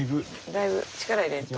だいぶ力入れんと。